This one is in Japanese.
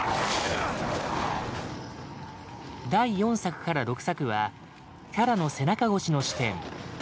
第４作から６作はキャラの背中越しの視点。